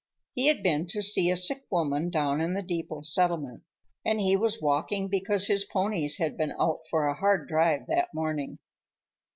He had been to see a sick woman down in the depot settlement, and he was walking because his ponies had been out for a hard drive that morning.